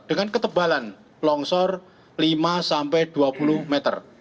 dengan ketebalan longsor lima sampai dua puluh meter